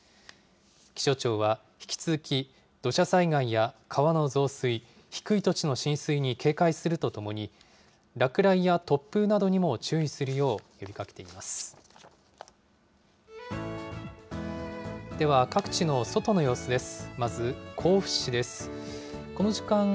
気象庁は引き続き土砂災害や川の増水、低い土地の浸水に警戒するとともに、落雷や突風などにも注意するよう呼びかけています。